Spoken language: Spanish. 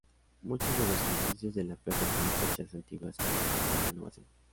Muchos de los edificios de la plaza tienen fachadas antiguas que necesitan renovación.